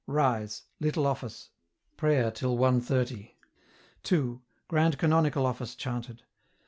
Rise. Little Office. Prayer till 1.30. 2. Grand Canonical Office chanted.